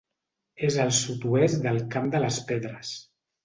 És al sud-oest del Camp de les Pedres.